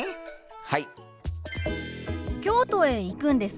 はい。